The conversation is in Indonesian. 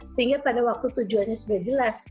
sehingga pada waktu tujuannya sudah jelas